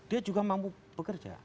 itu mampu bekerja